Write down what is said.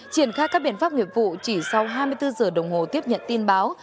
triển khai các biện pháp nghiệp vụ chỉ sau hai mươi bốn giờ đồng hồ tiếp nhận tin báo